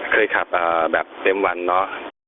เคยขับแบบเต็มวันเนาะ